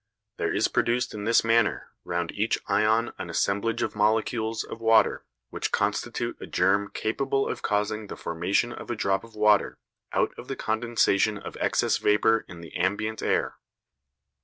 There is produced in this manner round each ion an assemblage of molecules of water which constitute a germ capable of causing the formation of a drop of water out of the condensation of excess vapour in the ambient air.